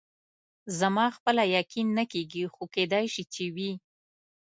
زما خپله یقین نه کېږي، خو کېدای شي چې وي.